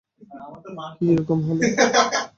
এ কিরকম হল?